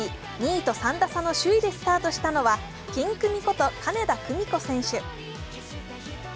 ２位と３打差の首位でスタートしたのはキンクミこと金田久美子選手。